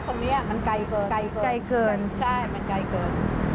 เขาเห็นไม่ชัดตรงเนี้ยมันไก่เกินไก่เกินใช่มันไก่เกิน